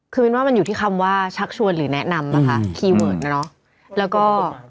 คือมินว่ามันอยู่ที่คำว่าชักชวนหรือแนะนำนะคะคีย์เวิร์ดนะเนาะแล้วก็